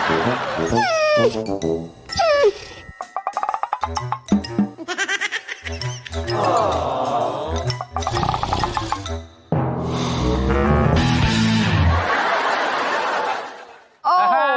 โอ้โห